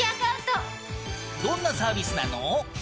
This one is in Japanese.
どんなサービスなの？